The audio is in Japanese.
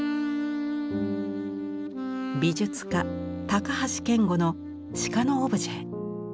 美術家橋賢悟の鹿のオブジェ。